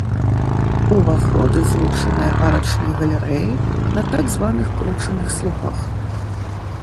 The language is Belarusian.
Уваходы злучаныя арачнай галерэяй на так званых кручаных слупах.